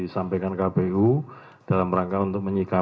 saya kembalikan ke ketua